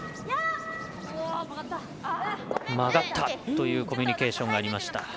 曲がったというコミュニケーションがありました。